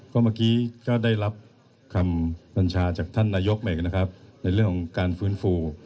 ก็เมื่อกี้ก็ได้รับคำบัญชาจากท่านนายกมาอีกนะครับในเรื่องของการฟื้นฟู